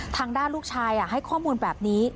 ทางด้านลูกชายให้ข้อมูลแบบนี้